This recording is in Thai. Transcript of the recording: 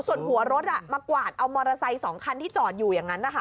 ส่วนหัวรถมากวาดเอามอเตอร์ไซค์๒คันที่จอดอยู่อย่างนั้นนะคะ